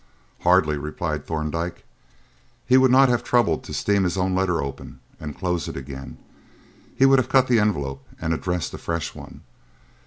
"Hardly," replied Thorndyke. "He would not have troubled to steam his own letter open and close it again; he would have cut the envelope and addressed a fresh one.